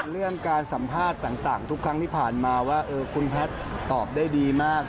เรื่องการสัมภาษณ์ต่างทุกครั้งที่ผ่านมาว่าคุณแพทย์ตอบได้ดีมาก